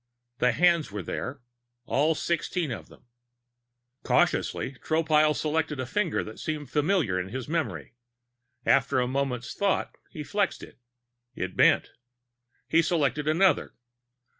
The hands were there. All sixteen of them. Cautiously, Tropile selected a finger that seemed familiar in his memory. After a moment's thought, he flexed it. It bent. He selected another.